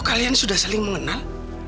kalian sudah saling mengenal